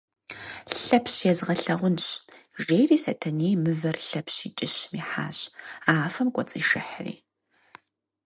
Лъэпщ езгъэлъагъунщ, – жери Сэтэней мывэр Лъэпщ и кӏыщым ихьащ, афэм кӏуэцӏишыхьри.